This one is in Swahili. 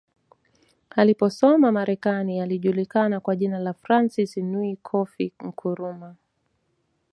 Aliposoma Marekani alijulikana kwa jina la Francis Nwia Kofi Nkrumah